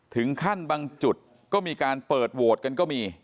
ถึงขั้นบางจุดก็มีการเปิดโหวตกันก็มี